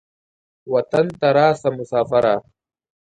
وطن ته راسه مسافره.